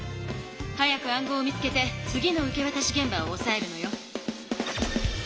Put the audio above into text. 早く暗号を見つけて次の受けわたしげん場をおさえるのよ。